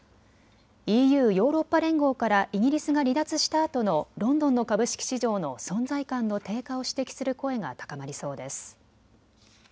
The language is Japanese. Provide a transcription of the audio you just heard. ＥＵ・ヨーロッパ連合からイギリスが離脱したあとのロンドンの株式市場の存在感の低下を指摘する声が高まりそうです。